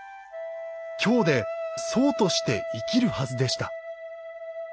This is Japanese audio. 京で僧として生きるはずでした。